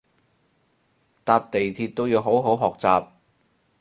搭地鐵都要好好學習